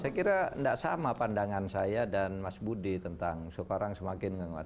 saya kira tidak sama pandangan saya dan mas budi tentang sekarang semakin menguat